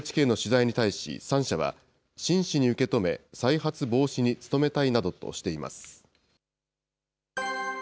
ＮＨＫの取材に対し、３社は、真摯に受け止め、再発防止に努めたいなどとしています。